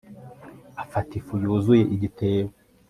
afata ifu yuzuye igitebo